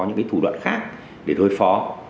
những thủ đoạn khác để đối phó